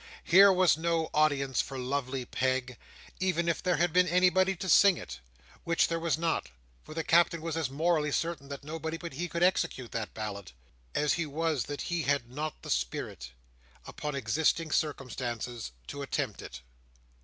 Here was no audience for Lovely Peg, even if there had been anybody to sing it, which there was not; for the Captain was as morally certain that nobody but he could execute that ballad, as he was that he had not the spirit, under existing circumstances, to attempt it.